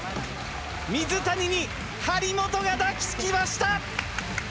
水谷に張本が抱き着きました！